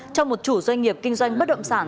cho một chủ doanh nghiệp kinh doanh bất động sản